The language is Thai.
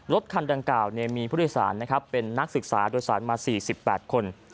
รถคันดังกล่าวมีผู้โดยสารนะครับเป็นนักศึกษาโดยสารมา๔๘คน